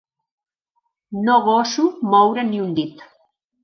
No goso moure ni un dit.